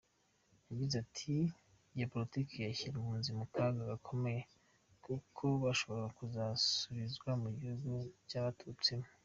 Yagize “Iyo Politiki yashyira impunzi mu kaga gakomeye kuko bashobora kuzasubizwa mu bihugu baturutsemo.